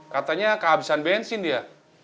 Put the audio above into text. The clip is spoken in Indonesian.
katanya kehabisan bensin dia